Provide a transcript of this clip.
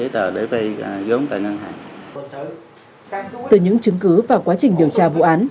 từ những chứng cứ và quá trình điều tra vụ án